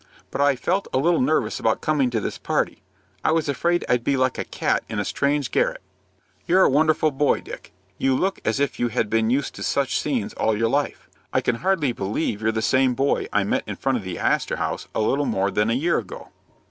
But I felt a little nervous about coming to this party. I was afraid I'd be like a cat in a strange garret." "You're a wonderful boy, Dick. You look as if you had been used to such scenes all your life. I can hardly believe you're the same boy I met in front of the Astor House a little more than a year ago."